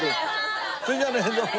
それじゃあねどうも。